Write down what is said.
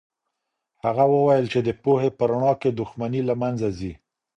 هغه وویل چې د پوهې په رڼا کې دښمني له منځه ځي.